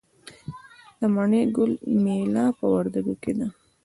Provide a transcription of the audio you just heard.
د مڼې ګل میله په وردګو کې ده.